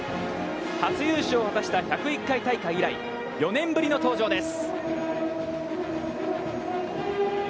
初優勝を果たした１０１回大会以来、４年ぶりの登場です。